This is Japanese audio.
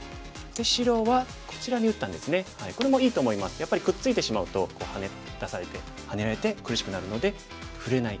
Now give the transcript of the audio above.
やっぱりくっついてしまうとハネ出されてハネられて苦しくなるので触れない。